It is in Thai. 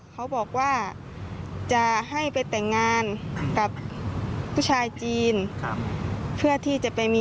เขาบอกว่าจะให้ไปแต่งงานกับผู้ชายจีนครับเพื่อที่จะไปมี